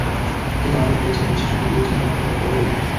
কিন্তু আমাদের দেশে বিশ্ব সংগীত দিবস নিয়ে তেমন কোনো তৎপরতা দেখি না।